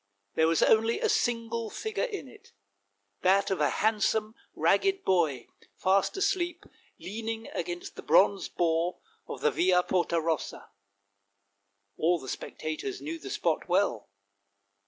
There was only a single figure in it, that of a handsome ragged boy, fast asleep, leaning against the bronze boar of the Via Porta Rossa. All the specta tors knew the spot well.